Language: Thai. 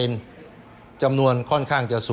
ก็ต้องชมเชยเขาล่ะครับเดี๋ยวลองไปดูห้องอื่นต่อนะครับ